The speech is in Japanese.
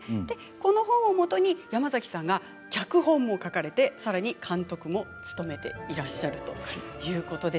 これをもとに山崎さんが脚本を書かれて、さらに監督も務めていらっしゃいます。